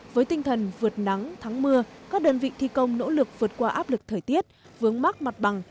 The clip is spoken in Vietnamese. với tinh thần vượt nắng thắng mưa các đơn vị thi công nỗ lực vượt qua áp lực thời tiết vướng mắc mặt bằng